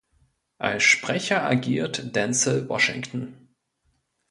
Als Sprecher agiert Denzel Washington.